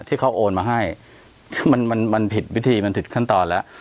ที่เขาโอนมาให้มันมันผิดวิธีมันผิดขั้นตอนแล้ว